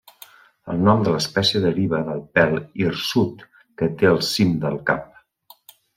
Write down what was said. El nom de l'espècie deriva del pèl hirsut que té al cim del cap.